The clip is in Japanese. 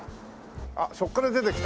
あっそっから出てきた。